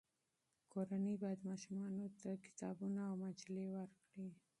کورنۍ باید ماشومانو ته کتابونه او مجلې ورکړي.